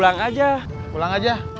nggak kang mus